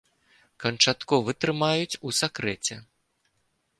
Канчатковы трымаюць у сакрэце.